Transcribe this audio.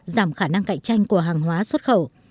giảm khả năng cạnh tranh của hàng hóa xuất khẩu